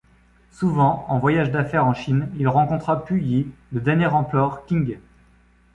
Souvent en voyages d'affaires en Chine, il rencontra Pu Yi, le dernier empereur Qing.